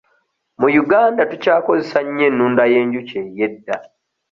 Mu Uganda tukyakozesa nnyo ennunda y'enjuki ey'edda.